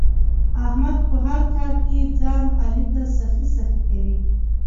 احمد په هر کار کې ځان علي ته سخی سخی کوي.